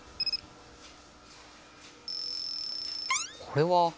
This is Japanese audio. これは。